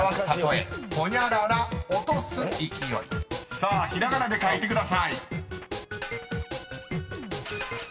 ［さあひらがなで書いてください］